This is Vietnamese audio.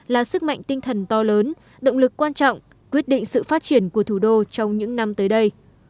là sức mạnh tinh thần to lớn động lực quan trọng quyết định sự phát triển của thủ đô trong những năm tới đây